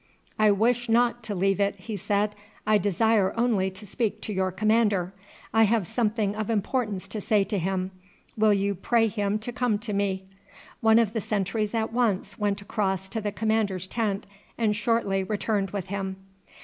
"I wish not to leave it," he said; "I desire only to speak to your commander. I have something of importance to say to him. Will you pray him to come to me?" One of the sentries at once went across to the commander's tent and shortly returned with him.